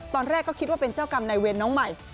ตอนแรกก็คิดว่าเป็นเจ้ากรรมนายเวรน้องใหม่